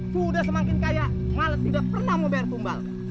sudah semakin kaya malah tidak pernah mau bayar tumbal